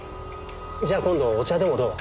じゃあ今度お茶でもどう？